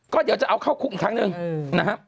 ก็เดี๋ยวจะเอาเข้าคุกอีกครั้งหนึ่งนะครับ